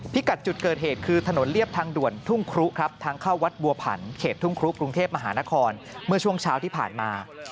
กัดจุดเกิดเหตุคือถนนเรียบทางด่วนทุ่งครุครับทางเข้าวัดบัวผันเขตทุ่งครุกรุงเทพมหานครเมื่อช่วงเช้าที่ผ่านมา